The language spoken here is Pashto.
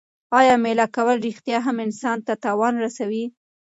آیا مېله کول رښتیا هم انسان ته تاوان رسوي؟